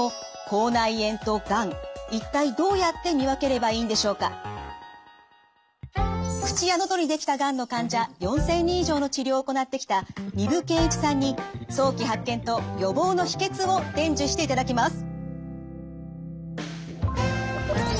口や喉にできたがんの患者４，０００人以上の治療を行ってきた丹生健一さんに早期発見と予防の秘訣を伝授していただきます。